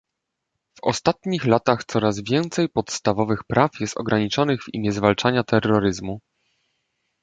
W ostatnich latach coraz więcej podstawowych praw jest ograniczanych w imię zwalczania terroryzmu